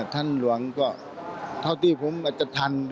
ท่านหลวงก็เท่าที่ผมอาจจะทัน